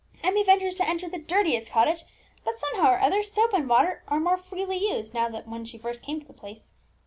Emmie ventures to enter the dirtiest cottage; but, somehow or other, soap and water are more freely used now than when she first came to the place.